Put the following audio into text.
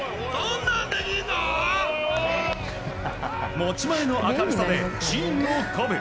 持ち前の明るさでチームを鼓舞。